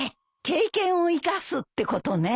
経験を生かすってことね。